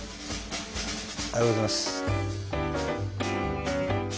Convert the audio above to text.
ありがとうございます